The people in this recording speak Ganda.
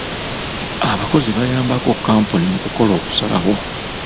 Abakozi bayambako kampuni mu kukola okusalawo.